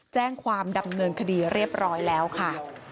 แจ้งความดำเนินคดีเรียบร้อยแล้วค่ะ